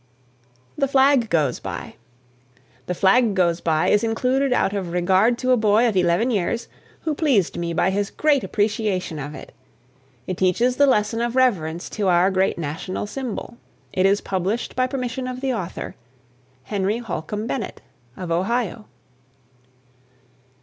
THE FLAG GOES BY. "The Flag Goes By" is included out of regard to a boy of eleven years who pleased me by his great appreciation of it. It teaches the lesson of reverence to our great national symbol. It is published by permission of the author, Henry Holcomb Bennett, of Ohio.